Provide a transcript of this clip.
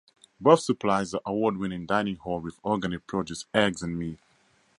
Both supply the award-winning dining hall with organic produce, eggs, and meat.